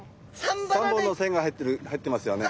３本の線が入ってますよね。